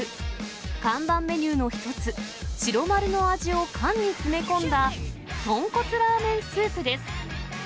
看板メニューの一つ、白丸の味を缶に詰め込んだとんこつラーメンスープです。